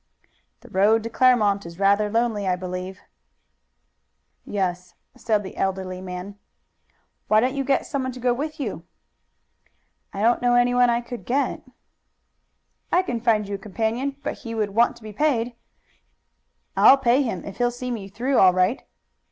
"The road to Claremont is rather lonely, I believe." "Yes." "Why don't you get some one to go with you?" "I don't know anyone I could get." "I can find you a companion, but he would want to be paid." "I'll pay him if he'll see me through all right."